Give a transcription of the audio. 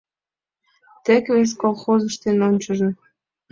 Тек вес колхоз ыштен ончыжо.